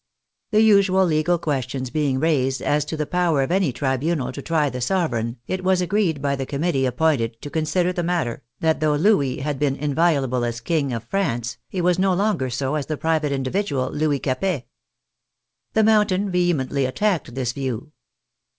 The usual legal questions being raised as to the power of any tribunal to try the sovereign, it was agreed by the Committee appointed to consider the matter, that though Louis had been inviolable as King of France, he was no longer so as the private individual Louis Capet. The Mountain vehemently attacked this view.